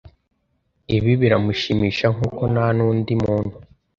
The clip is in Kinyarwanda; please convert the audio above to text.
Ibi biramushimisha nk’uko nta n'undi muntu